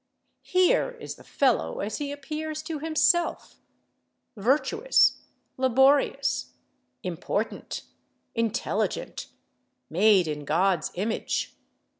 Here is the fellow as he appears to himself—virtuous, laborious, important, intelligent, made in God's image.